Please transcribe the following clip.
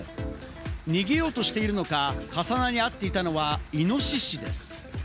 逃げようとしているのか、重なり合っていたのはイノシシです。